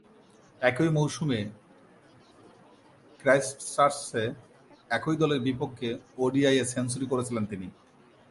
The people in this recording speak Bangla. একই মৌসুমে ক্রাইস্টচার্চে একই দলের বিপক্ষে ওডিআইয়ে সেঞ্চুরি করেছিলেন তিনি।